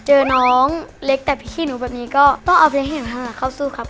เจอน้องเล็กแต่พิธีหนูแบบนี้ก็ต้องเอาเพลงให้เห็นทั้งสักครอบสู้ครับ